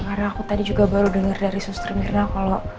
karena aku tadi juga baru denger dari suster mirna kalo